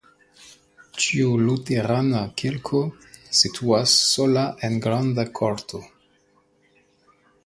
Tiu luterana kirko situas sola en granda korto.